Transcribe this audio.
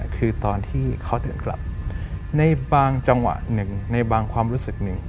คือตอนที่เขาเดินกลับในบางจังหวะหนึ่งในบางความรู้สึกหนึ่ง